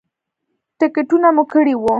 ټکټونه مو کړي وو.